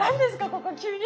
ここ急に。